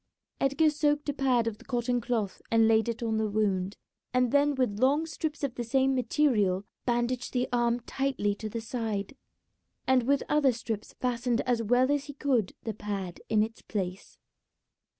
Edgar soaked a pad of the cotton cloth and laid it on the wound, and then with long strips of the same material bandaged the arm tightly to the side, and with other strips fastened as well as he could the pad in its place.